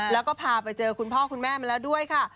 แล้วก็พาไปเจอคุณพ่อคุณแม่มาแล้วด้วยค่ะ